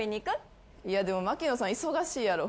いやでもマキノさん忙しいやろ。